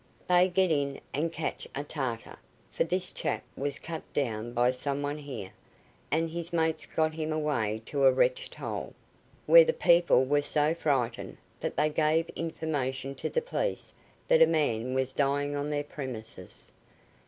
"They get in, and catch a Tartar, for this chap was cut down by some one here, and his mates got him away to a wretched hole, where the people were so frightened that they gave information to the police that a man was dying on their premises.